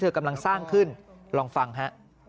กำลังสร้างขึ้นลองฟังฮะ